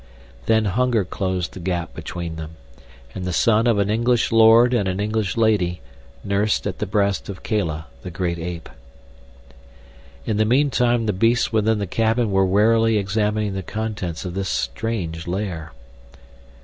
Then hunger closed the gap between them, and the son of an English lord and an English lady nursed at the breast of Kala, the great ape. In the meantime the beasts within the cabin were warily examining the contents of this strange lair.